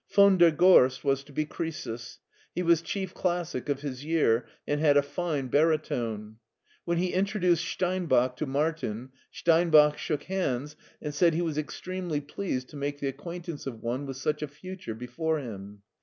Von der Gorst was to be " Croesus." He was chief classic of his year, and had a fine bari tone. When he introduced Steinbach to Martin, Stein bach shook hands, and said he was extremely pleased to make the acquaintance of one with such a future before him.